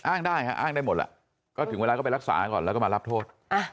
ได้ฮะอ้างได้หมดล่ะก็ถึงเวลาก็ไปรักษาก่อนแล้วก็มารับโทษ